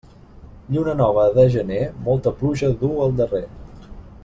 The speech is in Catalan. Lluna nova de gener molta pluja duu al darrer.